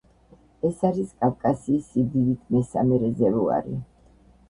ეს არის კავკასიის სიდიდით მესამე რეზერვუარი.